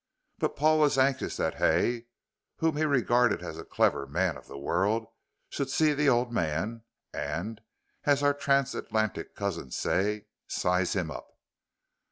But Paul was anxious that Hay whom he regarded as a clever man of the world should see the old man, and, as our trans Atlantic cousins say, "size him up."